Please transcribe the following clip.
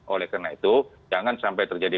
oleh karena itu jangan sampai terjadi